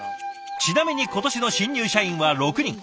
ちなみに今年の新入社員は６人。